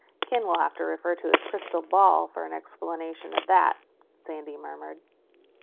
"Ken will have to refer to his crystal ball for an explanation of that," Sandy murmured.